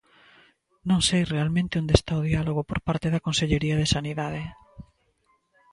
Non sei realmente onde está o diálogo por parte da Consellería de Sanidade.